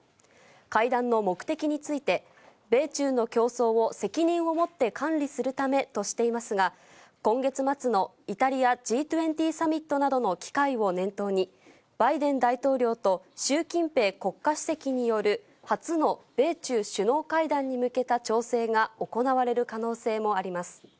会談の目的について、米中の競争を責任を持って管理するためとしていますが、今月末のイタリアＧ２０サミットなどの機会を念頭に、バイデン大統領と習近平国家主席による、初の米中首脳会談に向けた調整が行われる可能性もあります。